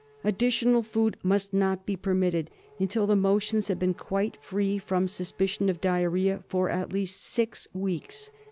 Additional food must not be permitted until the motions have been quite free from suspicion of diarrhoea for at least six weeks.